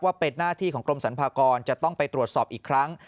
เป็นหน้าที่ของกรมสรรพากรจะต้องไปตรวจสอบอีกครั้ง